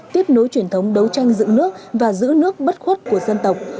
tiếp nối truyền thống đấu tranh dựng nước và giữ nước bất khuất của dân tộc